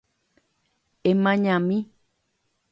Emañami